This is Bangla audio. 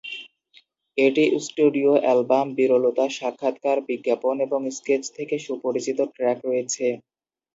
এটি স্টুডিও অ্যালবাম, বিরলতা, সাক্ষাৎকার, বিজ্ঞাপন এবং স্কেচ থেকে সুপরিচিত ট্র্যাক রয়েছে।